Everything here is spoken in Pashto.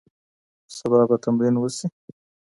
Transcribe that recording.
سبا به تمرین وسي.